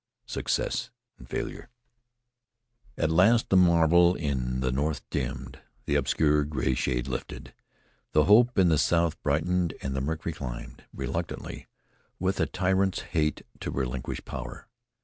SUCCESS AND FAILURE At last the marvel in the north dimmed, the obscure gray shade lifted, the hope in the south brightened, and the mercury climbed reluctantly, with a tyrant's hate to relinquish power.